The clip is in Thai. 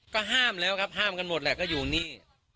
ก็ห้ามแล้วครับห้ามกันหมดแหละก็อยู่นี่